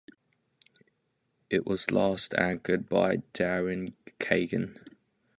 It was last anchored by Daryn Kagan.